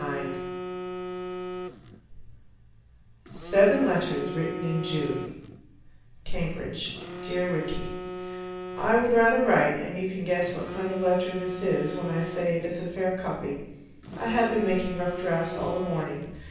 IX Seven letters written in June: Cambridge Dear Rickie, I would rather write, and you can guess what kind of letter this is when I say it is a fair copy: I have been making rough drafts all the morning.